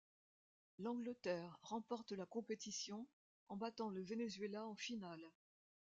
L'Angleterre remporte la compétition en battant le Venezuela en finale.